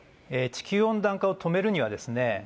地球温暖化を止めるにはですね